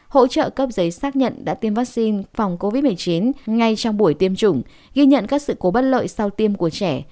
hỗ trợ cấp giấy xác nhận đã tiêm vaccine phòng covid một mươi chín ngay trong buổi tiêm chủng ghi nhận các sự cố bất lợi sau tiêm của trẻ